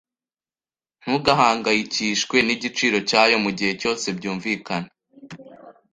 Ntugahangayikishwe nigiciro cyayo, mugihe cyose byumvikana.